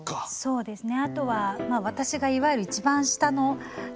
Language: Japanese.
そうですね